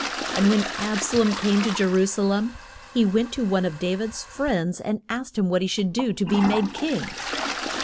And when Ab sa lom came to Je ru sa lem he went to one of Da vid's friends and asked him what he should do to be made king.